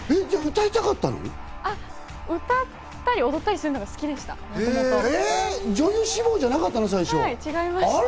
歌ったり踊ったりするのがもともと好きでした。